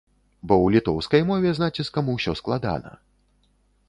Бо ў літоўскай мове з націскам усё складана.